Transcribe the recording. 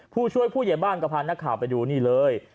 ผู้ช่วยผู้ใหญ่บ้านก็พานักข่าวไปดูนี่เลย